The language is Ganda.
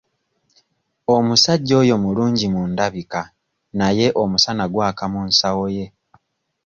Omusajja oyo mulungi mu ndabika naye omusana gwaka mu nsawo ye.